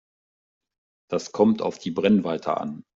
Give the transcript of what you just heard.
Das kommt auf die Brennweite an.